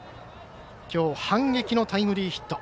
きょう、反撃のタイムリーヒット。